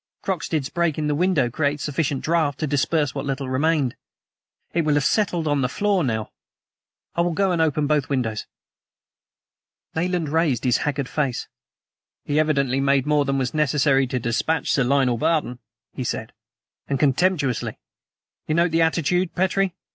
Croxted's breaking the window created sufficient draught to disperse what little remained. It will have settled on the floor now. I will go and open both windows." Nayland raised his haggard face. "He evidently made more than was necessary to dispatch Sir Lionel Barton," he said; "and contemptuously you note the attitude, Petrie?